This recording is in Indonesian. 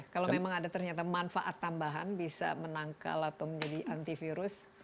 kalau memang ada ternyata manfaat tambahan bisa menangkal atau menjadi antivirus